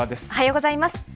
おはようございます。